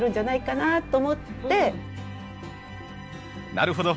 なるほど。